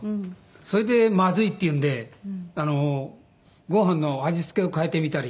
それでまずいっていうんであのごはんの味付けを変えてみたり。